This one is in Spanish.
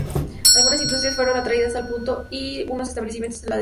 Algunas industrias fueron atraídas al punto y unos establecimientos se desarrollaron.